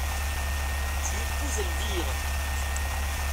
Tu épouses Elvire!